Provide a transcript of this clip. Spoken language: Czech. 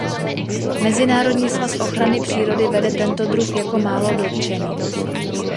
Mezinárodní svaz ochrany přírody vede tento druh jako málo dotčený.